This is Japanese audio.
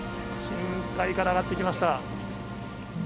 深海から上がってきました。